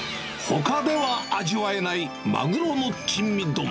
ほかでは味わえないマグロの珍味丼。